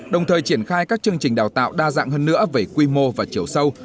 đồng thời triển khai các chương trình đào tạo đa dạng hơn nữa về quy mô và chiều sâu